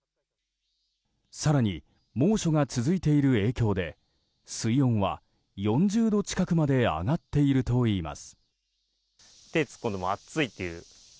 更に、猛暑が続いている影響で水温は４０度近くまで上がっているといいます。